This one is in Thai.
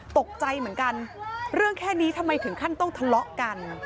ตกใจเหมือนกันเรื่องแค่นี้ทำไมถึงขั้นต้องทะเลาะกัน